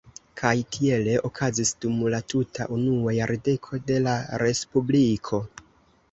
Kaj tiele okazis dum la tuta unua jardeko de la Respubliko.